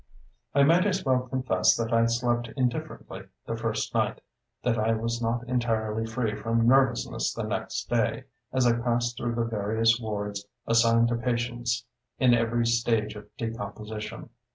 I might as well confess that I slept indifferently the first night; that I was not entirely free from nervousness the next day, as I passed through the various wards assigned to patients in every stage of decomposition.